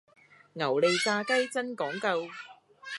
牛脷炸雞真講究